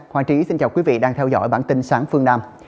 hoàng trí xin chào quý vị đang theo dõi bản tin sáng phương nam